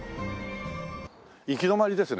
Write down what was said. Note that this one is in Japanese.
行き止まりですね